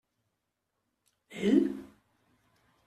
Ell?